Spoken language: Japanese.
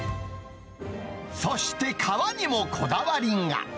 そして皮にもこだわりが。